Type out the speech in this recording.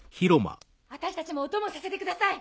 私たちもお供させてください。